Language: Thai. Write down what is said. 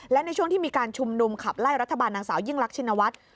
และในช่วงที่มีการชุมนุมขับไล่รัฐบาลนางสาวยิ่งรักชินวัฒน์